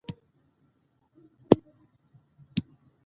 سیلاني ځایونه د افغانستان په ستراتیژیک اهمیت کې دي.